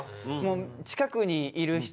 近くにいる人で。